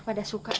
pada suka deh